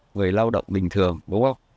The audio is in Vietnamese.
người lao động bình thường đúng không